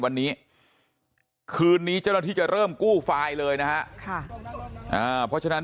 วันนี้คืนนี้เจ้าหน้าที่จะเริ่มกู้ไฟล์เลยนะฮะเพราะฉะนั้น